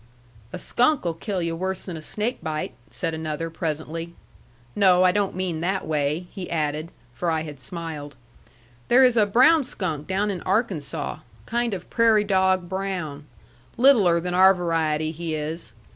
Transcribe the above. "A skunk'll kill yu' worse than a snake bite," said another, presently. "No, I don't mean that way," he added. For I had smiled. "There is a brown skunk down in Arkansaw. Kind of prairie dog brown. Littler than our variety, he is.